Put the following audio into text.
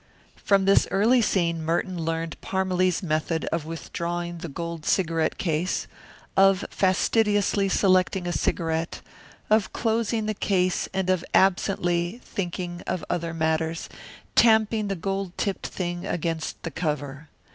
From this early scene Merton learned Parmalee's method of withdrawing the gold cigarette case, of fastidiously selecting a cigarette, of closing the case and of absently thinking of other matters tamping the gold tipped thing against the cover.